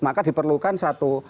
maka diperlukan satu